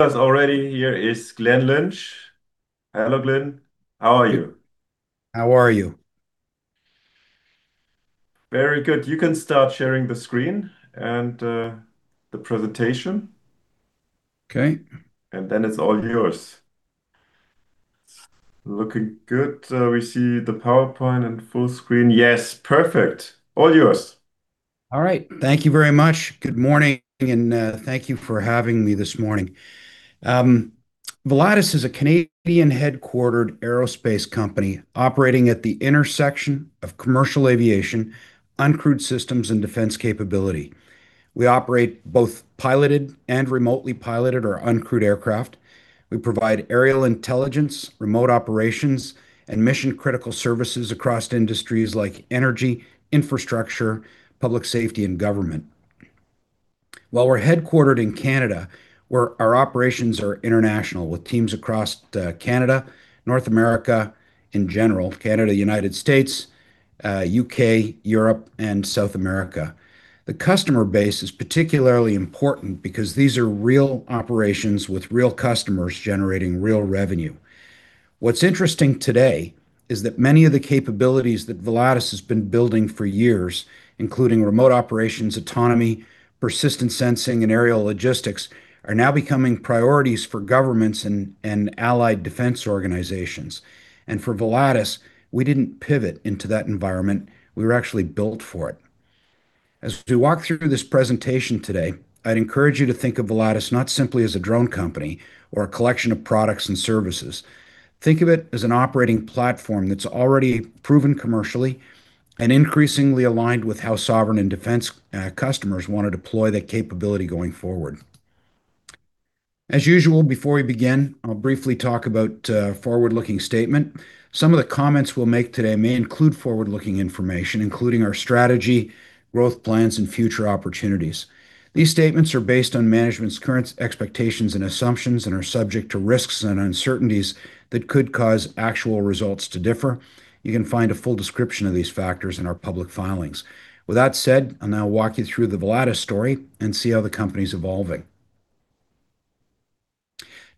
All right. Thank you very much. Good morning, and thank you for having me this morning. Volatus is a Canadian-headquartered aerospace company operating at the intersection of commercial aviation, uncrewed systems, and defense capability. We operate both piloted and remotely piloted or uncrewed aircraft. We provide aerial intelligence, remote operations, and mission-critical services across industries like energy, infrastructure, public safety, and government. While we're headquartered in Canada, our operations are international, with teams across Canada, North America in general, Canada, United States, U.K., Europe, and South America. The customer base is particularly important because these are real operations with real customers generating real revenue. What's interesting today is that many of the capabilities that Volatus has been building for years, including remote operations, autonomy, persistent sensing, and aerial logistics, are now becoming priorities for governments and allied defense organizations. For Volatus, we didn't pivot into that environment. We were actually built for it. As we walk through this presentation today, I'd encourage you to think of Volatus not simply as a drone company or a collection of products and services. Think of it as an operating platform that's already proven commercially and increasingly aligned with how sovereign and defense customers want to deploy that capability going forward. As usual, before we begin, I'll briefly talk about forward-looking statement. Some of the comments we'll make today may include forward-looking information, including our strategy, growth plans, and future opportunities. These statements are based on management's current expectations and assumptions and are subject to risks and uncertainties that could cause actual results to differ. You can find a full description of these factors in our public filings. With that said, I'll now walk you through the Volatus story and see how the company's evolving.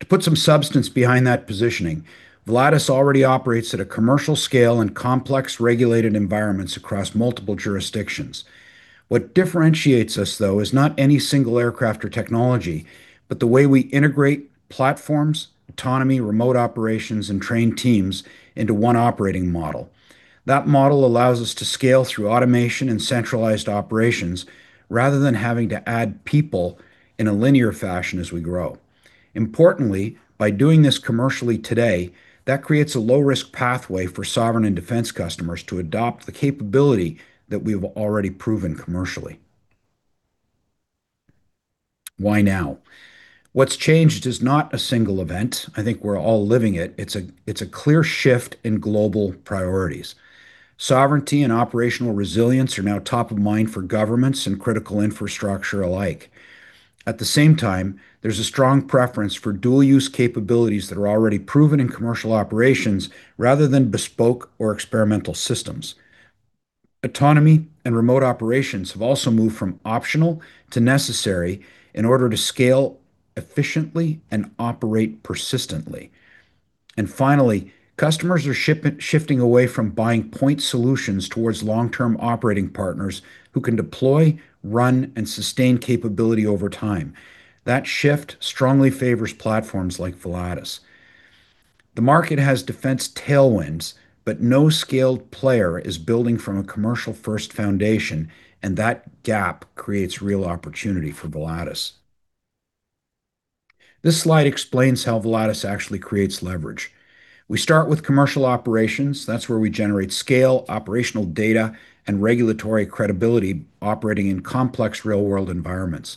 To put some substance behind that positioning, Volatus already operates at a commercial scale in complex, regulated environments across multiple jurisdictions. What differentiates us, though, is not any single aircraft or technology, but the way we integrate platforms, autonomy, remote operations, and train teams into one operating model. That model allows us to scale through automation and centralized operations, rather than having to add people in a linear fashion as we grow. Importantly, by doing this commercially today, that creates a low-risk pathway for sovereign and defense customers to adopt the capability that we've already proven commercially. Why now? What's changed is not a single event. I think we're all living it. It's a clear shift in global priorities. Sovereignty and operational resilience are now top of mind for governments and critical infrastructure alike. At the same time, there's a strong preference for dual use capabilities that are already proven in commercial operations rather than bespoke or experimental systems. Autonomy and remote operations have also moved from optional to necessary in order to scale efficiently and operate persistently. Finally, customers are shifting away from buying point solutions towards long-term operating partners who can deploy, run, and sustain capability over time. That shift strongly favors platforms like Volatus. No scaled player is building from a commercial-first foundation, and that gap creates real opportunity for Volatus. This slide explains how Volatus actually creates leverage. We start with commercial operations. That's where we generate scale, operational data, and regulatory credibility operating in complex real-world environments.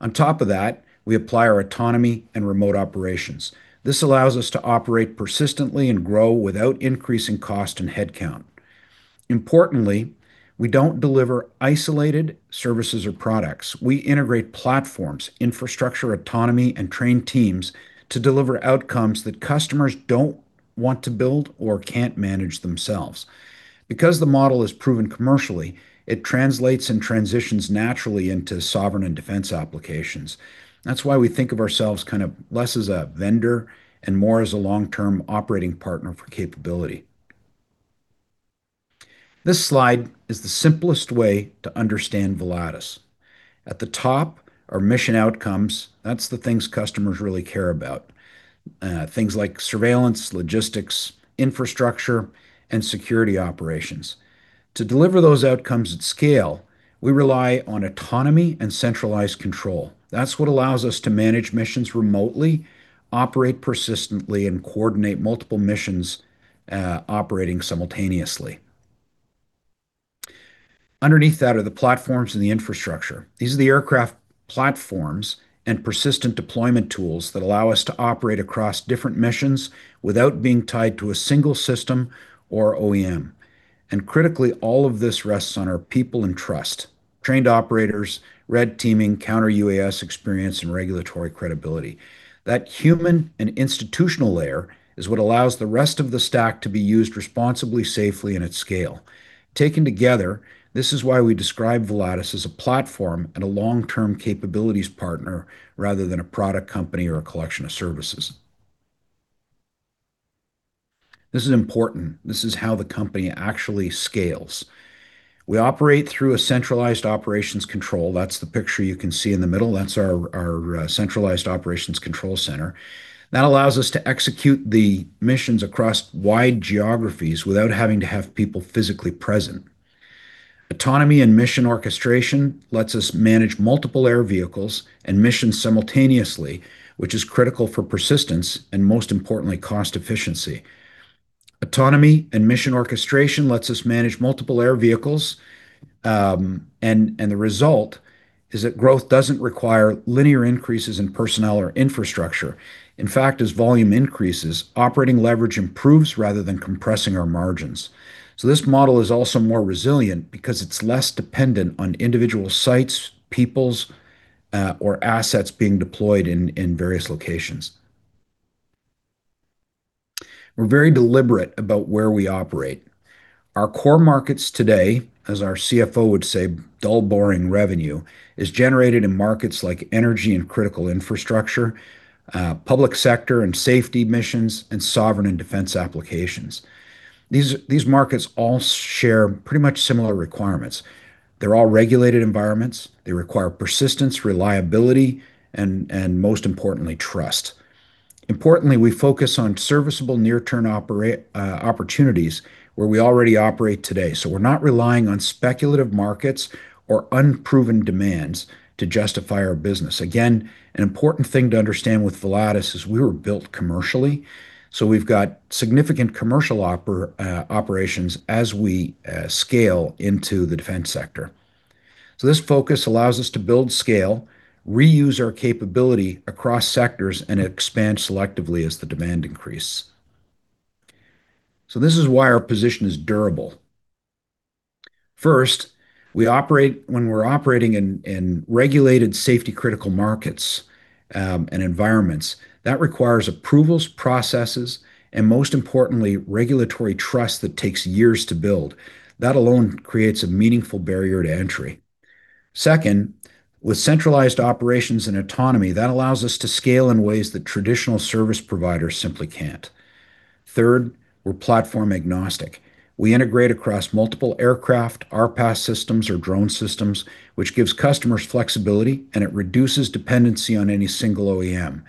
On top of that, we apply our autonomy and remote operations. This allows us to operate persistently and grow without increasing cost and headcount. Importantly, we don't deliver isolated services or products. We integrate platforms, infrastructure, autonomy, and trained teams to deliver outcomes that customers don't want to build or can't manage themselves. The model is proven commercially, it translates and transitions naturally into sovereign and defense applications. That's why we think of ourselves kind of less as a vendor and more as a long-term operating partner for capability. This slide is the simplest way to understand Volatus. At the top are mission outcomes. That's the things customers really care about. Things like surveillance, logistics, infrastructure, and security operations. To deliver those outcomes at scale, we rely on autonomy and centralized control. That's what allows us to manage missions remotely, operate persistently, and coordinate multiple missions, operating simultaneously. Underneath that are the platforms and the infrastructure. These are the aircraft platforms and persistent deployment tools that allow us to operate across different missions without being tied to a single system or OEM. Critically, all of this rests on our people and trust: trained operators, red teaming, counter-UAS experience, and regulatory credibility. That human and institutional layer is what allows the rest of the stack to be used responsibly, safely, and at scale. Taken together, this is why we describe Volatus as a platform and long-term capabilities partner rather than a product company or a collection of services. This is important. This is how the company actually scales. We operate through a centralized operations control. That's the picture you can see in the middle. That's our centralized operations control center. That allows us to execute the missions across wide geographies without having to have people physically present. Autonomy and mission orchestration lets us manage multiple air vehicles and missions simultaneously, which is critical for persistence and, most importantly, cost efficiency. Autonomy and mission orchestration lets us manage multiple air vehicles, and the result is that growth doesn't require linear increases in personnel or infrastructure. In fact, as volume increases, operating leverage improves rather than compressing our margins. This model is also more resilient because it's less dependent on individual sites, peoples, or assets being deployed in various locations. We're very deliberate about where we operate. Our core markets today, as our CFO would say, dull, boring revenue, is generated in markets like energy and critical infrastructure, public sector and safety missions, and sovereign and defense applications. These markets all share pretty much similar requirements. They're all regulated environments. They require persistence, reliability, and most importantly, trust. Importantly, we focus on serviceable near-term opportunities where we already operate today, so we're not relying on speculative markets or unproven demands to justify our business. Again, an important thing to understand with Volatus is we were built commercially, so we've got significant commercial operations as we scale into the defense sector. This focus allows us to build scale, reuse our capability across sectors, and expand selectively as the demand increase. This is why our position is durable. First, when we're operating in regulated safety-critical markets and environments, that requires approvals, processes, and most importantly, regulatory trust that takes years to build. That alone creates a meaningful barrier to entry. Second, with centralized operations and autonomy, that allows us to scale in ways that traditional service providers simply can't. Third, we're platform-agnostic. We integrate across multiple aircraft, RPAS systems or drone systems, which gives customers flexibility, and it reduces dependency on any single OEM.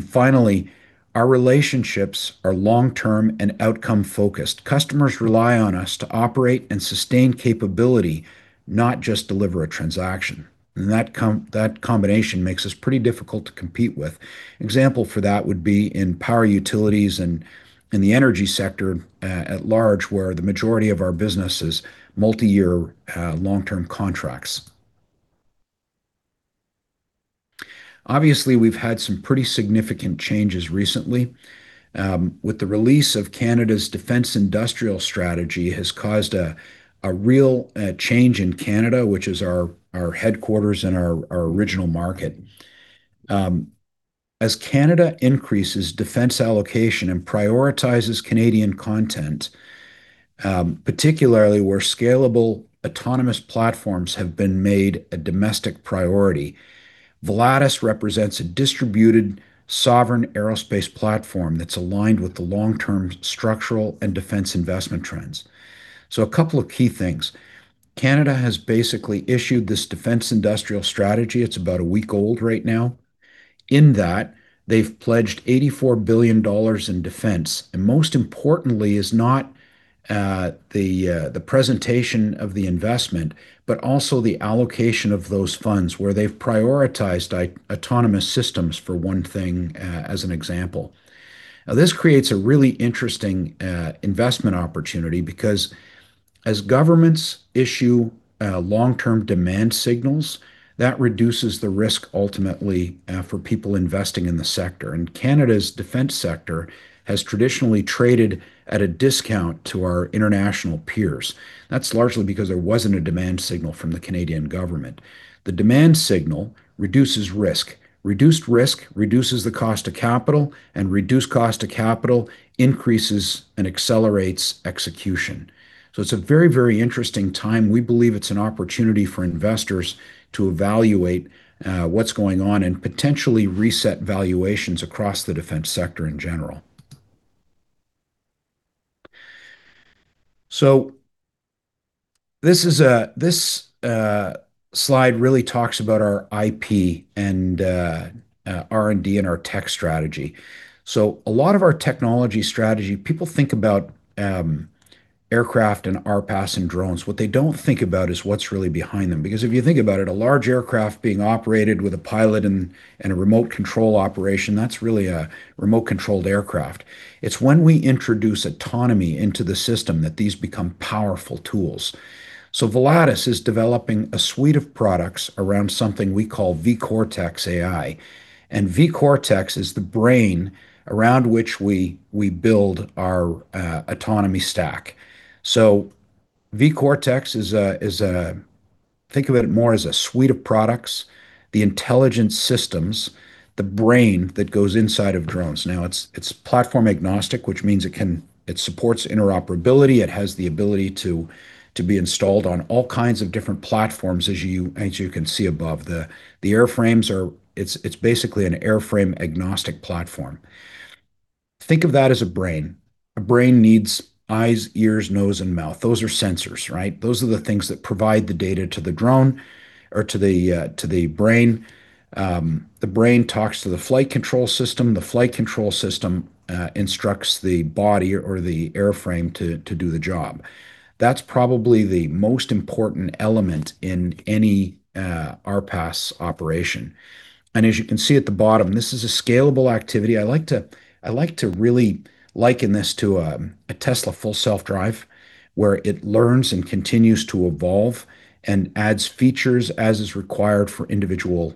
Finally, our relationships are long-term and outcome focused. Customers rely on us to operate and sustain capability, not just deliver a transaction. That combination makes us pretty difficult to compete with. Example for that would be in power utilities and in the energy sector at large, where the majority of our business is multi-year, long-term contracts. Obviously, we've had some pretty significant changes recently. With the release of Canada's Defence Industrial Strategy has caused a real change in Canada, which is our headquarters and our original market. As Canada increases defense allocation and prioritizes Canadian content, particularly where scalable autonomous platforms have been made a domestic priority, Volatus represents a distributed sovereign aerospace platform that's aligned with the long-term structural and defense investment trends. A couple of key things. Canada has basically issued this Defence Industrial Strategy. It's about a week-old right now. In that, they've pledged 84 billion dollars in defense, and most importantly is not the presentation of the investment, but also the allocation of those funds, where they've prioritized autonomous systems for one thing, as an example. This creates a really interesting investment opportunity because as governments issue long-term demand signals, that reduces the risk ultimately for people investing in the sector. Canada's defense sector has traditionally traded at a discount to our international peers. That's largely because there wasn't a demand signal from the Canadian government. The demand signal reduces risk. Reduced risk reduces the cost of capital, and reduced cost of capital increases and accelerates execution. It's a very, very interesting time. We believe it's an opportunity for investors to evaluate what's going on and potentially reset valuations across the defense sector in general. This is this slide really talks about our IP and R&D and our tech strategy. A lot of our technology strategy, people think about aircraft and RPAS and drones. What they don't think about is what's really behind them. Because if you think about it, a large aircraft being operated with a pilot and a remote-control operation, that's really a remote-controlled aircraft. It's when we introduce autonomy into the system that these become powerful tools. Volatus is developing a suite of products around something we call V-CORTX AI, and V-CORTX is the brain around which we build our autonomy stack. V-CORTX is a suite of products, the intelligence systems, the brain that goes inside of drones. It's platform-agnostic, which means it supports interoperability, it has the ability to be installed on all kinds of different platforms, as you can see above. The airframes are basically an airframe-agnostic platform. Think of that as a brain. A brain needs eyes, ears, nose, and mouth. Those are sensors, right? Those are the things that provide the data to the drone or to the brain. The brain talks to the flight control system. The flight control system instructs the body or the airframe to do the job. That's probably the most important element in any RPAS operation. As you can see at the bottom, this is a scalable activity. I like to really liken this to a Tesla Full Self-Driving, where it learns and continues to evolve and adds features as is required for individual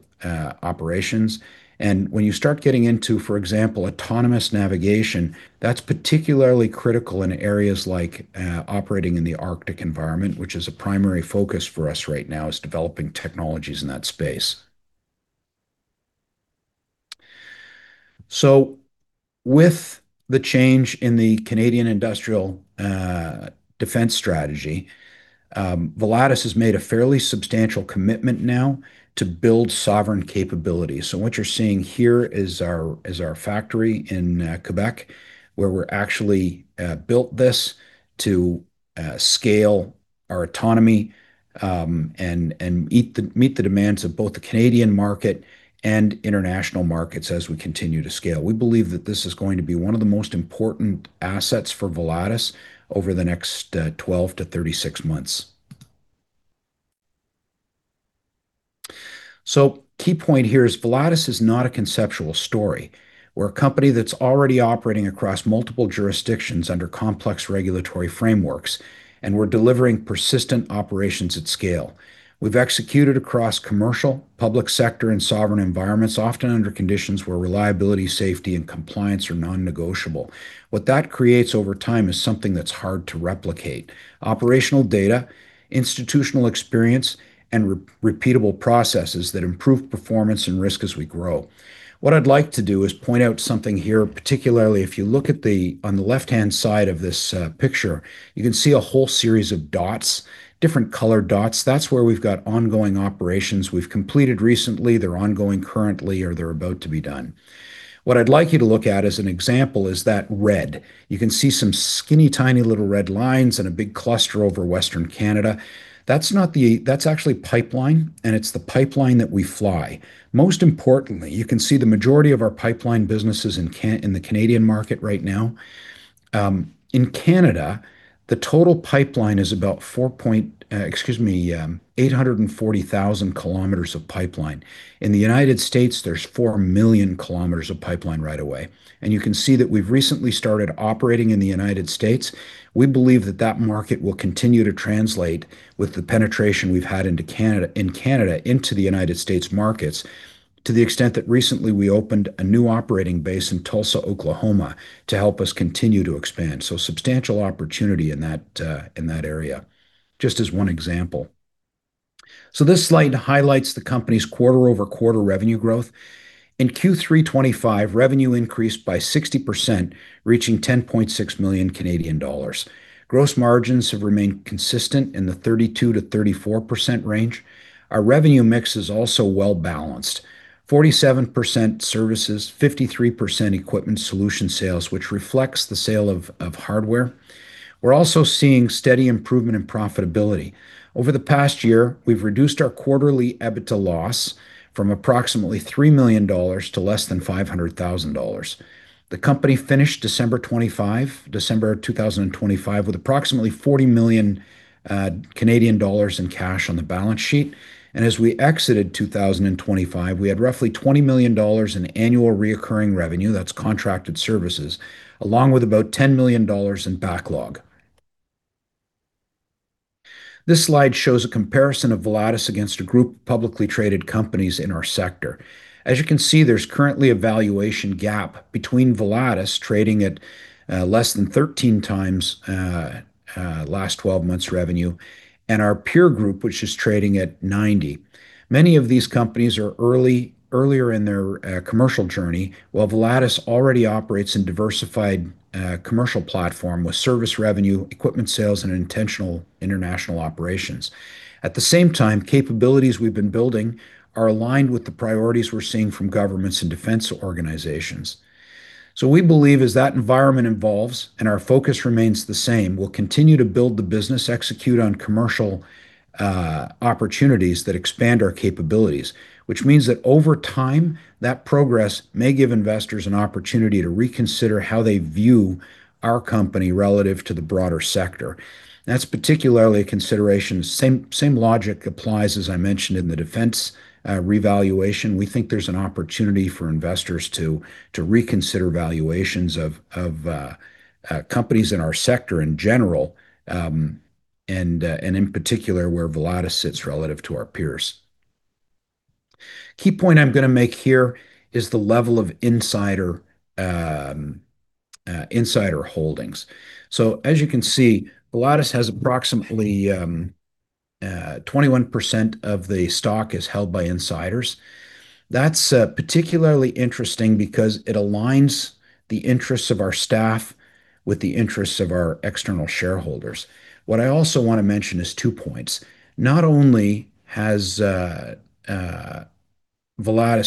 operations. When you start getting into, for example, autonomous navigation, that's particularly critical in areas like operating in the Arctic environment, which is a primary focus for us right now, is developing technologies in that space. With the change in the Canadian Industrial Defence Strategy, Volatus has made a fairly substantial commitment now to build sovereign capabilities. What you're seeing here is our, is our factory in Québec, where we're actually built this to scale our autonomy, meet the demands of both the Canadian market and international markets as we continue to scale. We believe that this is going to be one of the most important assets for Volatus over the next 12 to 36 months. Key point here is Volatus is not a conceptual story. We're a company that's already operating across multiple jurisdictions under complex regulatory frameworks, and we're delivering persistent operations at scale. We've executed across commercial, public sector, and sovereign environments, often under conditions where reliability, safety, and compliance are non-negotiable. What that creates over time is something that's hard to replicate: operational data, institutional experience, and repeatable processes that improve performance and risk as we grow. What I'd like to do is point out something here. Particularly, if you look at the on the left-hand side of this picture, you can see a whole series of dots, different colored dots. That's where we've got ongoing operations we've completed recently, they're ongoing currently, or they're about to be done. What I'd like you to look at as an example is that red. You can see some skinny, tiny, little red lines and a big cluster over Western Canada. That's not That's actually pipeline, and it's the pipeline that we fly. Most importantly, you can see the majority of our pipeline business is in the Canadian market right now. In Canada, the total pipeline is about, excuse me, 840,000 km of pipeline. In the United States, there's 4 million km of pipeline right away. You can see that we've recently started operating in the United States. We believe that that market will continue to translate with the penetration we've had in Canada into the United States markets, to the extent that recently we opened a new operating base in Tulsa, Oklahoma, to help us continue to expand. Substantial opportunity in that area, just as one example. This slide highlights the company's quarter-over-quarter revenue growth. In Q3 2025, revenue increased by 60%, reaching 10.6 million Canadian dollars. Gross margins have remained consistent in the 32%-34% range. Our revenue mix is also well-balanced: 47% services, 53% equipment solution sales, which reflects the sale of hardware. We're also seeing steady improvement in profitability. Over the past year, we've reduced our quarterly EBITDA loss from approximately 3 million dollars to less than 500,000 dollars. The company finished December 2025 with approximately 40 million Canadian dollars in cash on the balance sheet. As we exited 2025, we had roughly 20 million dollars in annual recurring revenue, that's contracted services, along with about 10 million dollars in backlog. This slide shows a comparison of Volatus against a group of publicly traded companies in our sector. As you can see, there's currently a valuation gap between Volatus trading at less than 13 times last twelve months revenue, and our peer group, which is trading at 90. Many of these companies are earlier in their commercial journey, while Volatus already operates in diversified commercial platform with service revenue, equipment sales, and intentional international operations. At the same time, capabilities we've been building are aligned with the priorities we're seeing from governments and defense organizations. We believe as that environment evolves and our focus remains the same, we'll continue to build the business, execute on commercial opportunities that expand our capabilities. Which means that over time, that progress may give investors an opportunity to reconsider how they view our company relative to the broader sector. That's particularly a consideration. Same logic applies, as I mentioned, in the defense revaluation. We think there's an opportunity for investors to reconsider valuations of companies in our sector in general, and in particular, where Volatus sits relative to our peers. Key point I'm gonna make here is the level of insider holdings. As you can see, Volatus has approximately 21% of the stock is held by insiders. That's particularly interesting because it aligns the interests of our staff with the interests of our external shareholders. What I also want to mention is 2 points. Not only has Volatus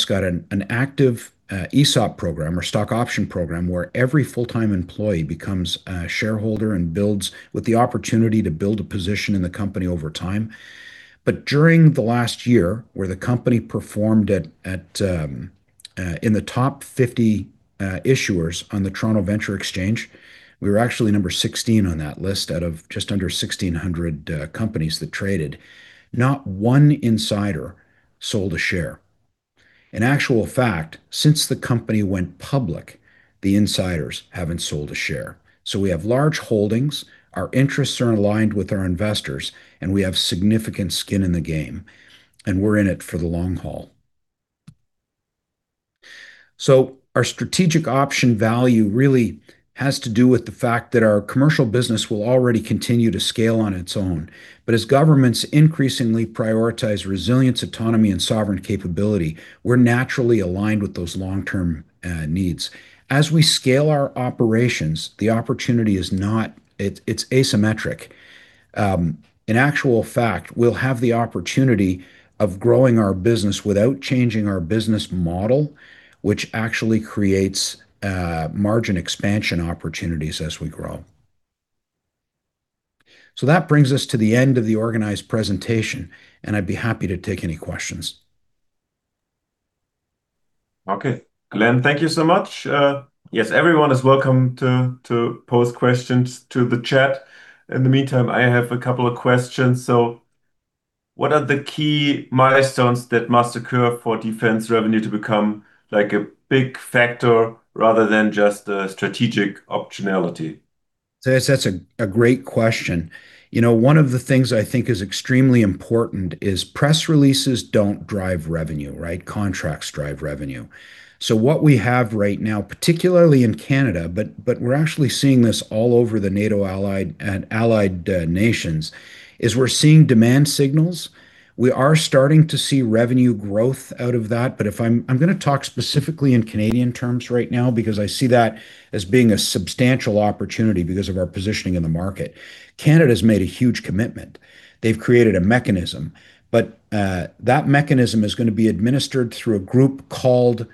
got an active ESOP program or stock option program where every full-time employee becomes a shareholder and builds with the opportunity to build a position in the company over time. During the last year, where the company performed in the top 50 issuers on the TSX Venture Exchange, we were actually number 16 on that list out of just under 1,600 companies that traded. Not one insider sold a share. In actual fact, since the company went public, the insiders haven't sold a share. We have large holdings, our interests are aligned with our investors, and we have significant skin in the game, and we're in it for the long haul. Our strategic option value really has to do with the fact that our commercial business will already continue to scale on its own. As governments increasingly prioritize resilience, autonomy, and sovereign capability, we're naturally aligned with those long-term needs. As we scale our operations, the opportunity is not. It's asymmetric. In actual fact, we'll have the opportunity of growing our business without changing our business model, which actually creates margin expansion opportunities as we grow. That brings us to the end of the organized presentation, and I'd be happy to take any questions. Okay, Glen, thank you so much. Yes, everyone is welcome to pose questions to the chat. In the meantime, I have a couple of questions. What are the key milestones that must occur for defense revenue to become, like, a big factor rather than just a strategic optionality? That's a great question. You know, one of the things I think is extremely important is press releases don't drive revenue, right? Contracts drive revenue. What we have right now, particularly in Canada, but we're actually seeing this all over the NATO allied and allied nations, is we're seeing demand signals. We are starting to see revenue growth out of that, but I'm gonna talk specifically in Canadian terms right now because I see that as being a substantial opportunity because of our positioning in the market. Canada's made a huge commitment. They've created a mechanism, that mechanism is gonna be administered through a group called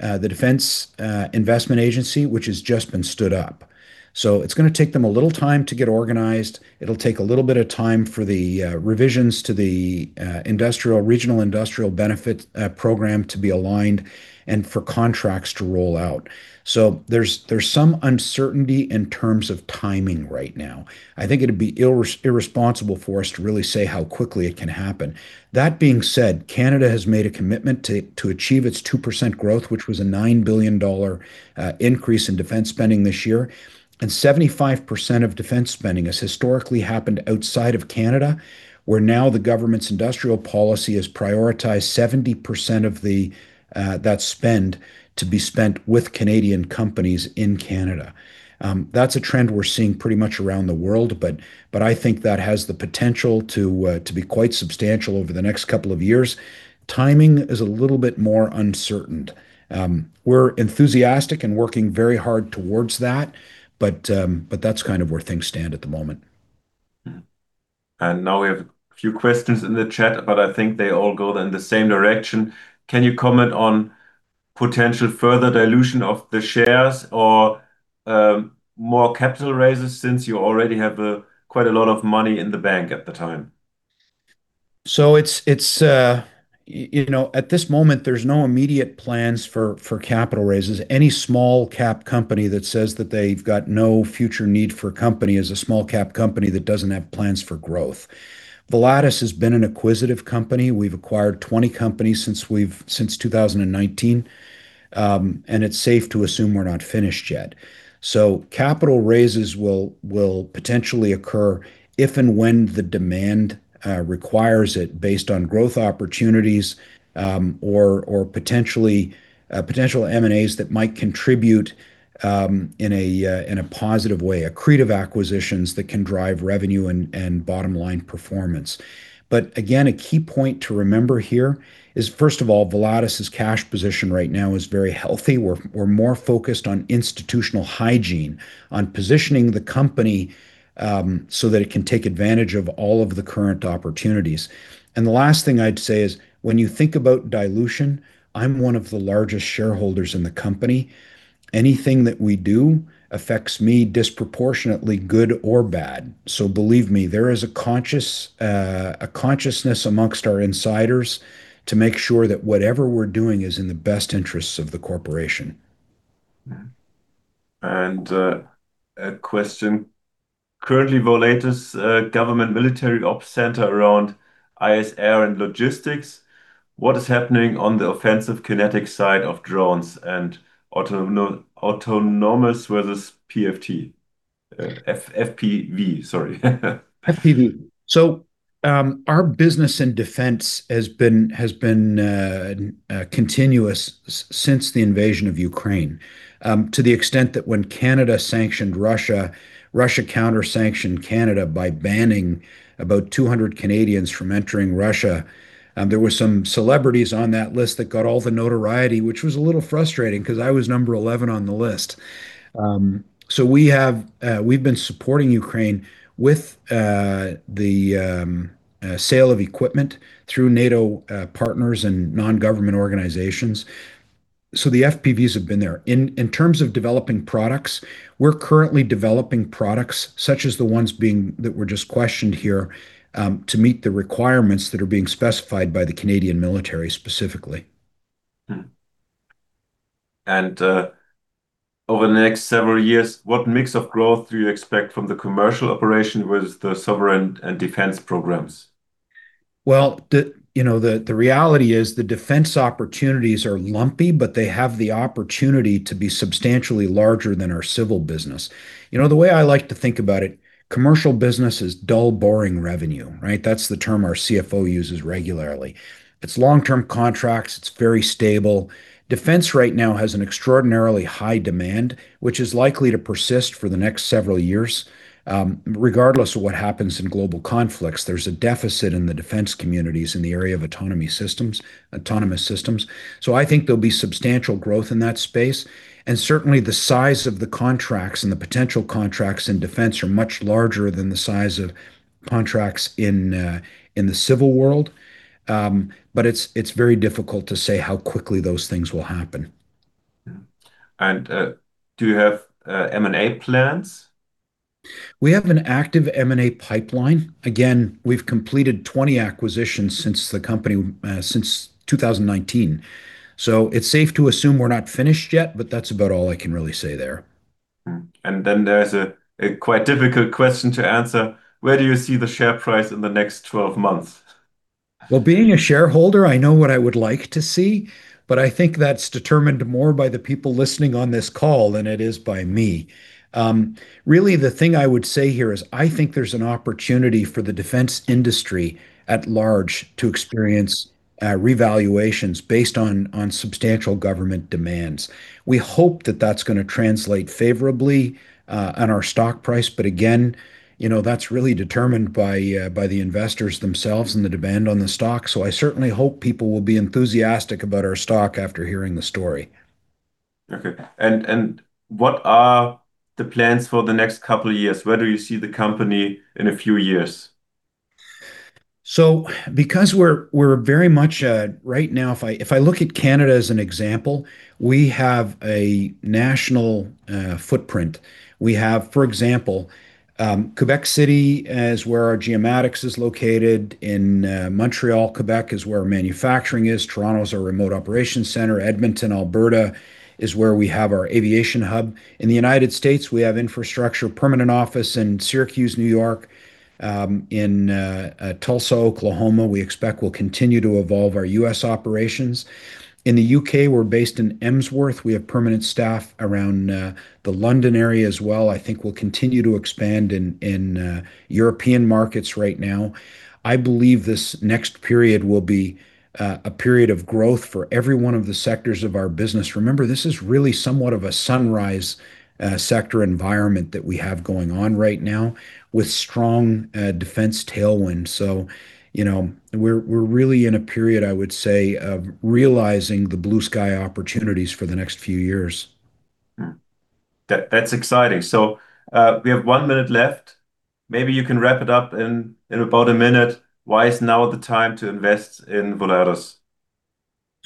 the Defence Investment Agency, which has just been stood up. It's gonna take them a little time to get organized. It'll take a little bit of time for the revisions to the industrial, regional industrial benefit program to be aligned and for contracts to roll out. There's some uncertainty in terms of timing right now. I think it'd be irresponsible for us to really say how quickly it can happen. That being said, Canada has made a commitment to achieve its 2% growth, which was a 9 billion dollar increase in defense spending this year, and 75% of defense spending has historically happened outside of Canada, where now the government's industrial policy has prioritized 70% of that spend to be spent with Canadian companies in Canada. That's a trend we're seeing pretty much around the world, but I think that has the potential to be quite substantial over the next couple of years. Timing is a little bit more uncertain. We're enthusiastic and working very hard towards that, but that's kind of where things stand at the moment. Now we have a few questions in the chat, but I think they all go in the same direction. Can you comment on potential further dilution of the shares or more capital raises, since you already have quite a lot of money in the bank at the time? It's, you know, at this moment, there's no immediate plans for capital raises. Any small cap company that says that they've got no future need for company is a small cap company that doesn't have plans for growth. Volatus has been an acquisitive company. We've acquired 20 companies since 2019, and it's safe to assume we're not finished yet. Capital raises will potentially occur if and when the demand requires it, based on growth opportunities, or potentially potential M&As that might contribute in a positive way, accretive acquisitions that can drive revenue and bottom-line performance. Again, a key point to remember here is, first of all, Volatus's cash position right now is very healthy. We're more focused on institutional hygiene, on positioning the company, so that it can take advantage of all of the current opportunities. The last thing I'd say is, when you think about dilution, I'm one of the largest shareholders in the company. Anything that we do affects me disproportionately, good or bad. Believe me, there is a conscious, a consciousness amongst our insiders to make sure that whatever we're doing is in the best interests of the corporation. Yeah. A question: Currently, Volatus, government military ops center around ISR and logistics, what is happening on the offensive kinetic side of drones and autonomous versus PFT? FPV, sorry. FPV. Our business and defense has been continuous since the invasion of Ukraine. To the extent that when Canada sanctioned Russia counter-sanctioned Canada by banning about 200 Canadians from entering Russia. There were some celebrities on that list that got all the notoriety, which was a little frustrating 'cause I was number 11 on the list. We have been supporting Ukraine with the sale of equipment through NATO partners and non-government organizations. The FPVs have been there. In terms of developing products, we're currently developing products, such as the ones that were just questioned here, to meet the requirements that are being specified by the Canadian military specifically. Over the next several years, what mix of growth do you expect from the commercial operation with the sovereign and defense programs? The, you know, the reality is the defense opportunities are lumpy, but they have the opportunity to be substantially larger than our civil business. You know, the way I like to think about it, commercial business is dull, boring revenue, right? That's the term our CFO uses regularly. It's long-term contracts, it's very stable. Defense right now has an extraordinarily high demand, which is likely to persist for the next several years. Regardless of what happens in global conflicts, there's a deficit in the defense communities in the area of autonomy systems, autonomous systems. I think there'll be substantial growth in that space, and certainly the size of the contracts and the potential contracts in defense are much larger than the size of contracts in the civil world. It's, it's very difficult to say how quickly those things will happen. Do you have M&A plans? We have an active M&A pipeline. Again, we've completed 20 acquisitions since the company, since 2019. It's safe to assume we're not finished yet, but that's about all I can really say there. There's a quite difficult question to answer: Where do you see the share price in the next 12 months? Being a shareholder, I know what I would like to see, but I think that's determined more by the people listening on this call than it is by me. Really, the thing I would say here is, I think there's an opportunity for the defense industry at large to experience revaluations based on substantial government demands. We hope that that's gonna translate favorably on our stock price, but again, you know, that's really determined by the investors themselves and the demand on the stock. I certainly hope people will be enthusiastic about our stock after hearing the story. Okay. What are the plans for the next couple of years? Where do you see the company in a few years? Because we're very much right now, if I look at Canada as an example, we have a national footprint. We have, for example, Québec City is where our geomatics is located. In Montreal, Québec is where our manufacturing is. Toronto is our remote operations center. Edmonton, Alberta is where we have our aviation hub. In the United States, we have infrastructure, permanent office in Syracuse, New York. In Tulsa, Oklahoma, we expect we'll continue to evolve our U.S. operations. In the U.K., we're based in Emsworth. We have permanent staff around the London area as well. I think we'll continue to expand in European markets right now. I believe this next period will be a period of growth for every one of the sectors of our business. Remember, this is really somewhat of a sunrise, sector environment that we have going on right now, with strong, defense tailwind. You know, we're really in a period, I would say, of realizing the blue sky opportunities for the next few years. That's exciting. We have 1 minute left. Maybe you can wrap it up in about 1 minute. Why is now the time to invest in Volatus?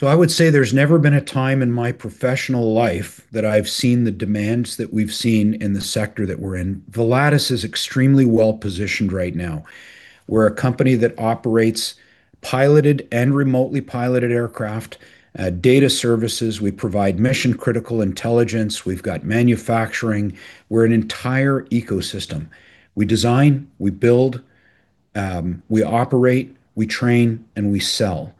I would say there's never been a time in my professional life that I've seen the demands that we've seen in the sector that we're in. Volatus is extremely well-positioned right now. We're a company that operates piloted and remotely piloted aircraft, data services. We provide mission-critical intelligence. We've got manufacturing. We're an entire ecosystem. We design, we build, we operate, we train, and we sell.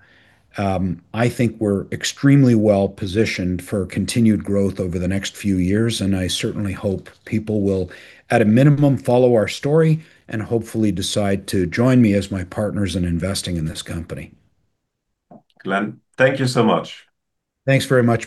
I think we're extremely well-positioned for continued growth over the next few years, and I certainly hope people will, at a minimum, follow our story, and hopefully decide to join me as my partners in investing in this company. Glen, thank you so much. Thanks very much, Mike.